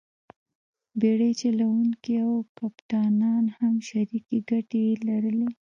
بېړۍ چلوونکي او کپټانان هم شریکې ګټې یې لرلې.